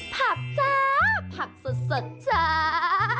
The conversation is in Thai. ผักจ้าผักสดจ้า